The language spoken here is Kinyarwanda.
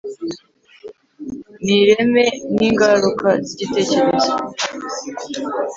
ni ireme n'ingaruka z'igitekerezo